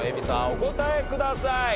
お答えください。